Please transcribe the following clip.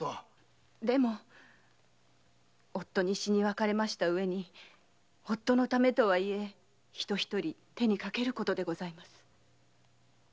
でも夫に死に別れたうえに夫のためとはいえ人一人手に掛けることでございます。